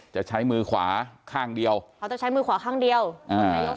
จะใช้มือขวาข้างเดียวเขาต้องใช้มือขวาข้างเดียวอ่า